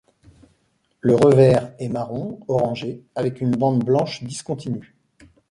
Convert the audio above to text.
Le revers est marron orangé avec une bande blanche discontinue.